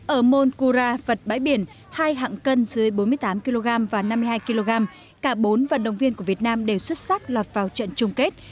ở môn kura vật bãi biển hai hạng cân dưới bốn mươi tám kg và năm mươi hai kg cả bốn vận động viên của việt nam đều xuất sắc lọt vào trận chung kết